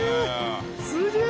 すげえ！